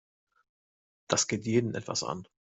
Das geht jeden etwas an.